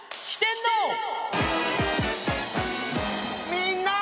みんな！